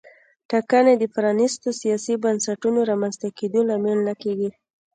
ټاکنې د پرانیستو سیاسي بنسټونو رامنځته کېدو لامل نه کېږي.